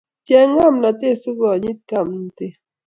Cheng ngomnotet sikonyit ngomnotet